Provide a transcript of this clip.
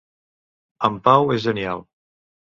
En Pau és genial.